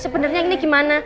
benernya ini gimana